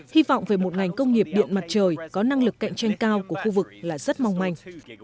hy vọng về một ngành công nghiệp điện mặt trời có năng lực cạnh tranh cao của khu vực là rất mong manh